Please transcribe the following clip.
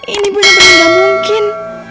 ini benar benar tidak mungkin